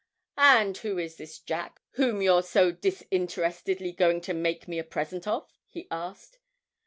'And who is this Jack whom you're so disinterestedly going to make me a present of?' he asked.